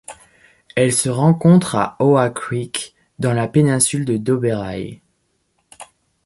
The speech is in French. Elle se rencontre à Hoa Creek, dans la péninsule de Doberai.